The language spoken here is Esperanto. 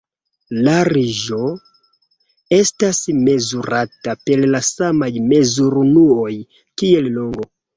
Larĝo estas mezurata per la samaj mezurunuoj kiel longo.